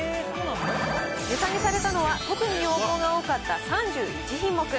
値下げされたのは、特に要望が多かった３１品目。